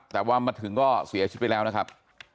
แต่ว่ามาถึงก็เสียชีวิตไปแล้วนะครับ